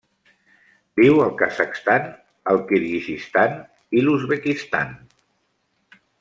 Viu al Kazakhstan, el Kirguizistan i l'Uzbekistan.